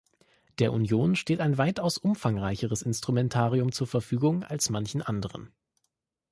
Der Union steht ein weitaus umfangreicheres Instrumentarium zur Verfügung als manchen anderen .